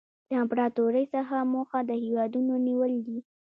له امپراطورۍ څخه موخه د هېوادونو نیول دي